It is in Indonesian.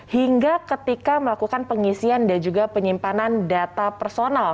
hingga ketika melakukan pengisian dan juga penyimpanan data personal